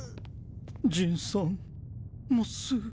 ジンさんモス。